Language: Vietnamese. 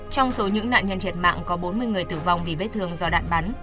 trong số những nạn nhân thiệt mạng có bốn mươi người tử vong vì vết thương do đạn bắn